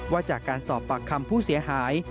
ว่าจากการสอบปากคำผู้เสียหาย